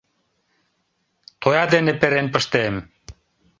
Тоя дене перен пыштем!